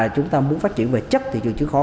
chúng ta muốn phát triển về chất thị trường chứa khó